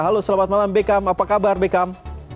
halo selamat malam bekam apa kabar bekam